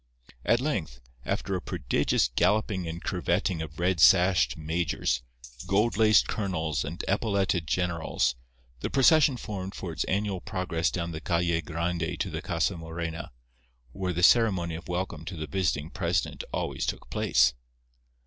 At length, after a prodigious galloping and curvetting of red sashed majors, gold laced colonels and epauletted generals, the procession formed for its annual progress down the Calle Grande to the Casa Morena, where the ceremony of welcome to the visiting president always took place.